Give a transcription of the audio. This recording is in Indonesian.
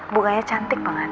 bukannya cantik banget